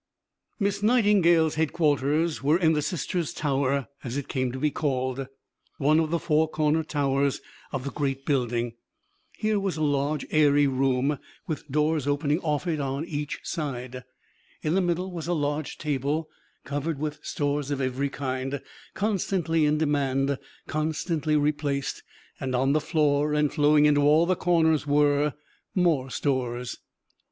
Miss Nightingale's headquarters were in the "Sisters' Tower," as it came to be called, one of the four corner towers of the great building. Here was a large, airy room, with doors opening off it on each side. In the middle was a large table, covered with stores of every kind, constantly in demand, constantly replaced; and on the floor, and flowing into all the corners, were more stores!